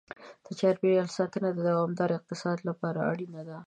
د چاپېریال ساتنه د دوامدار اقتصاد لپاره اړینه ده.